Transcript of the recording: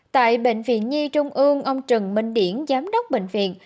tại bệnh viện nhi trung ương ông trần minh điển giám đốc bệnh viện